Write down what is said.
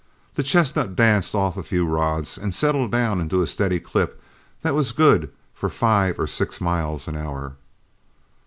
The chestnut danced off a few rods, and settled down into a steady clip that was good for five or six miles an hour.